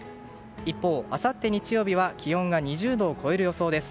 一方、あさって日曜日は気温が２０度を超える予想です。